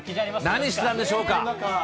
何してたんでしょうか。